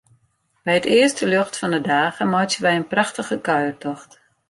By it earste ljocht fan 'e dage meitsje wy in prachtige kuiertocht.